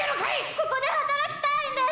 ここで働きたいんです！